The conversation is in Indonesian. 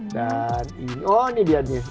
dan ini oh ini dia nih